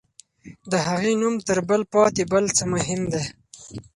د هغې نوم تر تل پاتې بل څه مهم دی.